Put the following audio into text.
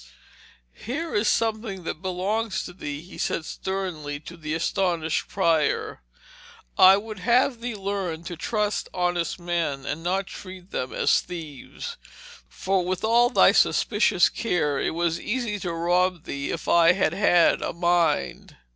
'Here is something that belongs to thee,' he said sternly to the astonished prior. 'I would have thee learn to trust honest men and not treat them as thieves. For with all thy suspicious care, it was easy to rob thee if I had had a mind.'